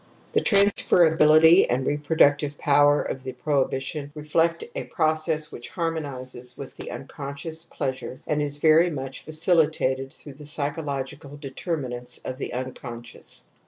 The transferability and reproductive power of the prohibition reflect a process which harmon izes with the unconscious pleasure and is very much facilitated through the psychological determinants of the unconscious.